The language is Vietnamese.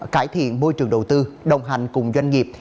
cải thiện môi trường đầu tư đồng hành cùng doanh nghiệp